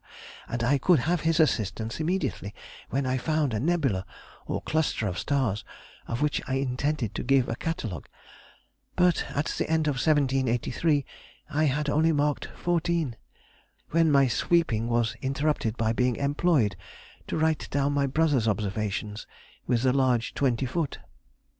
and I could have his assistance immediately when I found a nebula, or cluster of stars, of which I intended to give a catalogue; but at the end of 1783 I had only marked fourteen, when my sweeping was interrupted by being employed to write down my brother's observations with the large twenty foot.